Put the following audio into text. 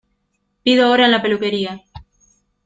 Pido hora en la peluquería.